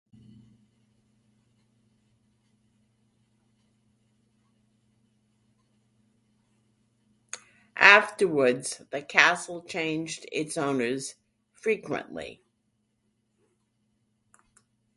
Afterwards the castle changed its owners frequently.